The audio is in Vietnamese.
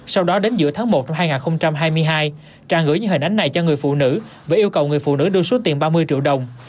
sau đó đến giữa tháng một năm hai nghìn hai mươi hai trang gửi những hình ảnh này cho người phụ nữ và yêu cầu người phụ nữ đưa số tiền ba mươi triệu đồng